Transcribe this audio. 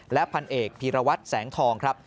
และพันเอกพีรวัตรแสงทองครับ